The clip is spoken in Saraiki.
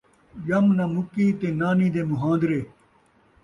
ڄم ناں مُکی تے نانی دے مُہان٘درے